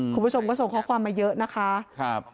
คุณผู้ชมก็ส่งข้อความมาเยอะนะคะ